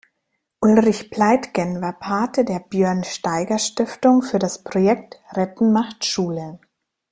Ulrich Pleitgen war Pate der Björn-Steiger-Stiftung für das Projekt „Retten macht Schule“.